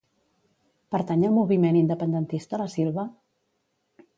Pertany al moviment independentista la Silva?